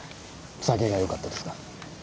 酒がよかったですか。